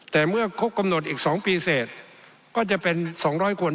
แต่เมื่อครบกำหนดอีก๒ปีเสร็จก็จะเป็น๒๐๐คน